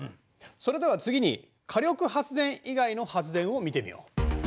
それでは次に火力発電以外の発電を見てみよう。